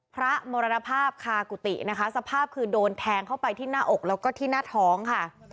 มรณภาพคากุฏินะคะสภาพคือโดนแทงเข้าไปที่หน้าอกแล้วก็ที่หน้าท้องค่ะ